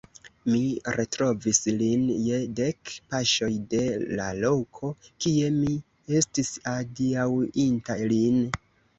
Mi retrovis lin je dek paŝoj de la loko, kie mi estis adiaŭinta lin.